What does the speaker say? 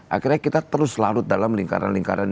akhirnya kita terus larut dalam lingkaran lingkaran